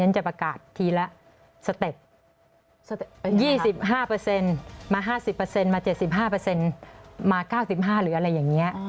จะประกาศทีละสเต็ป๒๕มา๕๐มา๗๕มา๙๕หรืออะไรอย่างนี้